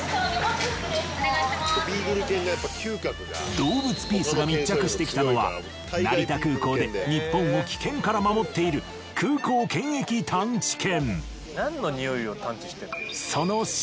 『どうぶつピース！！』が密着してきたのは成田空港で日本を危険から守っている空港検疫探知犬。